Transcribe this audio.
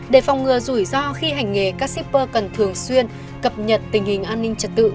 để phòng ngừa rủi ro khi hành nghề các shipper cần thường xuyên cập nhật tình hình an ninh trật tự